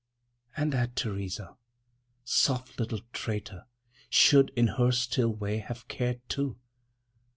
< 5 > And that Theresa, soft little traitor, should, in her still way, have cared too!